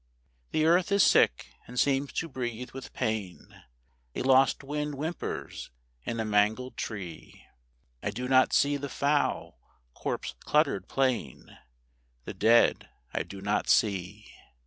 The earth is sick and seems to breathe with pain; A lost wind whimpers in a mangled tree; I do not see the foul, corpse cluttered plain, The dead I do not see.